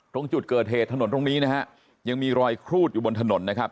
ตรงจุดเกิดเหตุถนนตรงนี้นะฮะยังมีรอยครูดอยู่บนถนนนะครับ